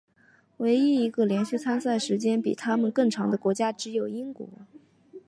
唯一一个连续参赛时间比他们更长的国家只有英国。